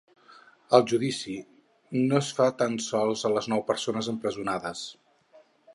El judici no es fa tan sols a les nou persones empresonades.